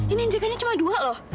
ini injekannya cuma dua loh